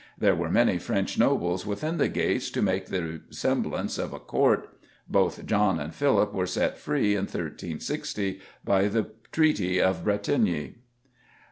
There were many French nobles within the gates to make the semblance of a court. Both John and Philip were set free in 1360 by the Treaty of Bretigny.